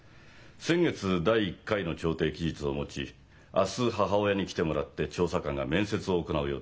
先月第１回の調停期日を持ち明日母親に来てもらって調査官が面接を行う予定です。